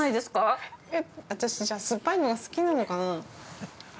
私、酸っぱいのが、好きなのかな。